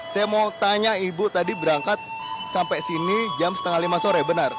saya mau tanya ibu tadi berangkat sampai sini jam setengah lima sore benar